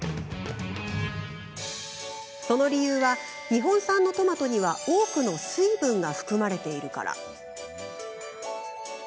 その理由は日本産のトマトには多くの水分が含まれているから。